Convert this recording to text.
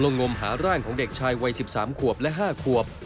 งมหาร่างของเด็กชายวัย๑๓ขวบและ๕ขวบ